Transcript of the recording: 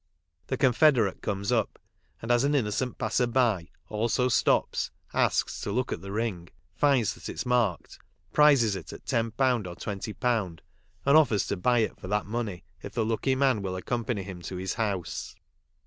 The confederate comes up, and, as an innocent passer by, also stops, asks to look at the ring, finds that it's marked, prizes it at £10 or £20, and offers to buy it for that money if the lucky man will accompany him to his house.